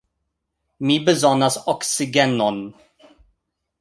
Mi bezonas oksigenon.